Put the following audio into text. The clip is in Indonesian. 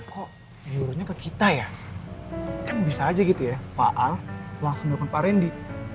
kok kita ya bisa aja gitu ya pak langsung depan pari